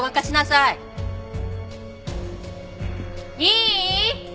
いい？